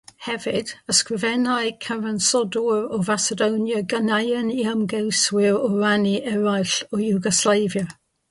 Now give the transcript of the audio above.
Hefyd, ysgrifenai cyfansoddwyr o Facedonia ganeuon i ymgeiswyr o rannau eraill o Iwgoslafia.